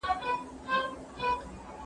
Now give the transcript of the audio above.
سیاست لرو.